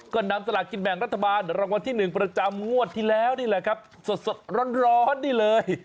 ก็นำสลากกินแบ่งรัฐบาลรางวัลที่๑ประจำงวดที่แล้วนี่แหละครับสดร้อนนี่เลย